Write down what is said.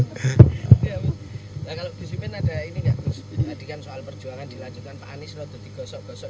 nah kalau gusimin ada ini gak adegan soal perjuangan dilanjutkan pak anies lalu digosok gosok